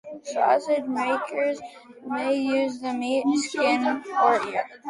Sausage makers may use the meat, skin or ear.